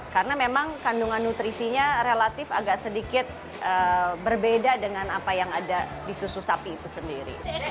karena memang kandungan nutrisinya relatif agak sedikit berbeda dengan apa yang ada di susu sapi itu sendiri